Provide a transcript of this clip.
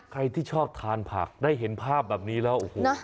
ใครที่ชอบทานผักได้เห็นภาพแบบนี้แล้วโอ้โห